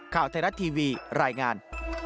ข่าวเทศทีวีรายงาน